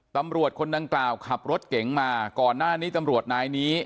ตำรวจคนดังกล่าวขับรถเก๋งมาก่อนหน้านี้ตำรวจนายนี้